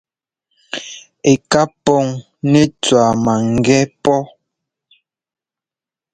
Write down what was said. Ɛ ká puŋ nɛ́ tswá maŋgɛ́ pɔ́.